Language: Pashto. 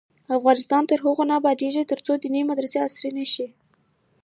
افغانستان تر هغو نه ابادیږي، ترڅو دیني مدرسې عصري نشي.